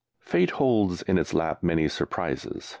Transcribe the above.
Fate holds in its lap many surprises.